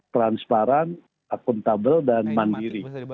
transparan akuntabel dan mandiri